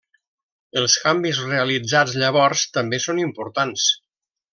Els canvis realitzats llavors també són importants.